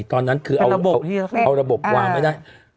ตอนนั้นคือเอาระบบวางไม่ได้